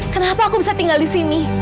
kenapa aku bisa tinggal disini